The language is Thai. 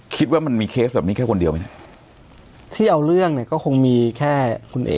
คิดว่ามันมีเคสแบบนี้แค่คนเดียวไหมเนี่ยที่เอาเรื่องเนี่ยก็คงมีแค่คุณเอ๋